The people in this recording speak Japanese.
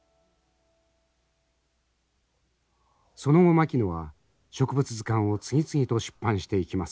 その後牧野は植物図鑑を次々と出版していきます。